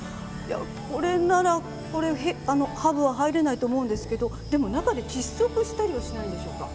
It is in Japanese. これなら、ハブは入れないと思いますけどでも中で窒息したりはしないんでしょうか？